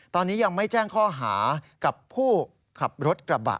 ตอนนี้ยังไม่แจ้งข้อหากับผู้ขับรถกระบะ